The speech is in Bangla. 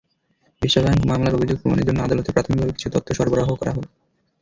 বিশ্বব্যাংক মামলার অভিযোগ প্রমাণের জন্য আদালতে প্রাথমিকভাবে কিছু তথ্য সরবরাহ করেছে।